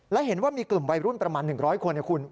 และเห็นว่ามีกลุ่มวัยรุ่นประมาณ๑๐๐คนนะคุณ